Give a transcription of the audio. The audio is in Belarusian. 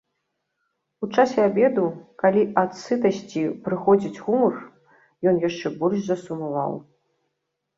У часе абеду, калі ад сытасці прыходзіць гумар, ён яшчэ больш засумаваў.